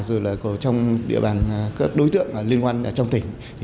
rồi là trong địa bàn các đối tượng liên quan trong tỉnh